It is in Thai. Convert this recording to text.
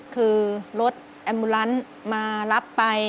คือรถแอมมูลันมารับไป